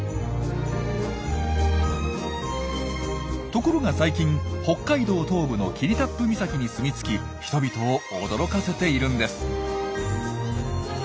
ところが最近北海道東部の霧多布岬に住み着き人々を驚かせているんです。